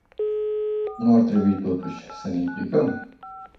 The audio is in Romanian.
Nu ar trebui, totuși, să ne implicăm?